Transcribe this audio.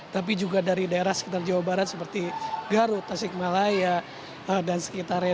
tapi juga dari daerah sekitar jawa barat seperti garut tasikmalaya dan sekitarnya